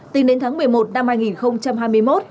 tính đến tháng một mươi một năm hai nghìn hai mươi một